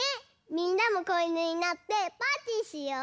みんなもこいぬになってパーティーしよう！